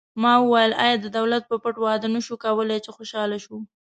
ما وویل: آیا د دولت په پټه واده نه شو کولای، چې خوشحاله شو؟